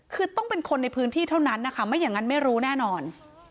คือต้องเป็นคนในพื้นที่เท่านั้นนะคะไม่อย่างนั้นไม่รู้แน่นอน